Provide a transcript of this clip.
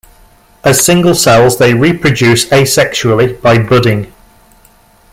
As single cells, they reproduce asexually by budding.